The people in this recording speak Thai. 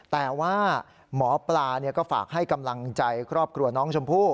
แต่ว่าหมอปลาก็ฝากให้กำลังใจครอบครัวน้องชมพู่